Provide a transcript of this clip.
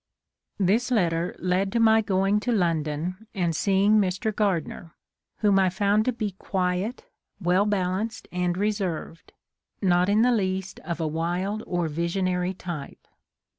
This letter led to my going to London and seeing Mr. Gardner, whom I found to be quiet, well balanced, and reserved — ^not in the least of a wild or visionary type.